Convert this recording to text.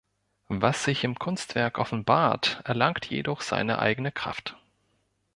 Was sich im Kunstwerk offenbart, erlangt jedoch seine eigene Kraft.